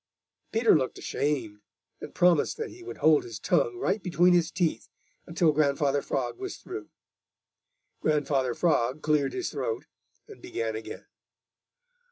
Peter looked ashamed and promised that he would hold his tongue right between his teeth until Grandfather Frog was through. Grandfather Frog cleared his throat and began again.